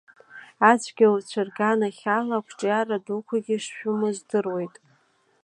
Ацәгьауцәа рганахь ала ақәҿиара дуқәагьы шшәымоу здыруеит.